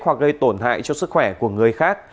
hoặc gây tổn hại cho sức khỏe của người khác